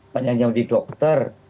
banyak yang jadi dokter